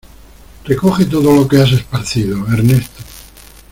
¡Recoge todo lo que has esparcido, Ernesto!